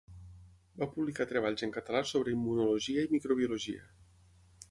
Va publicar treballs en català sobre immunologia i microbiologia.